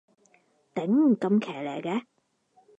頂，咁騎呢嘅